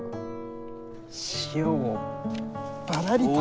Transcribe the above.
塩をバラリと。